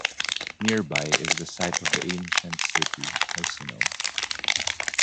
Nearby is the site of the ancient city of Arsinoe.